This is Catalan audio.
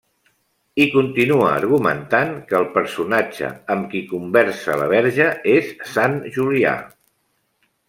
I continua argumentant que el personatge amb qui conversa la Verge és Sant Julià.